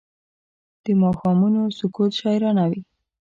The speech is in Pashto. د ماښامونو سکوت شاعرانه وي